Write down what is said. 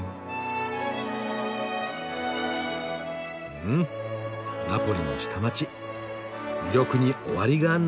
うんナポリの下町魅力に終わりがない！